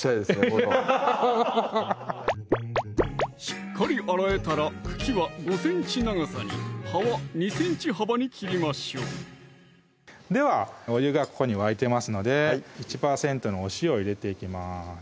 このしっかり洗えたら茎は５ｃｍ長さに葉は２ｃｍ幅に切りましょうではお湯がここに沸いてますので１％のお塩入れていきます